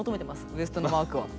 ウエストのマークは。